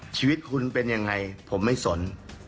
ชีวิตคุณเป็นยังไงผมไม่สน